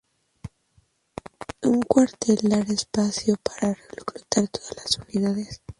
Un cuartel dará espacio para reclutar a otras unidades.